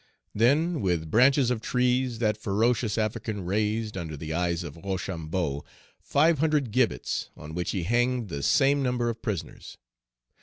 Then, with branches of trees, that ferocious African raised, under the eyes of Rochambeau, five hundred gibbets, on which he hanged the same number of prisoners.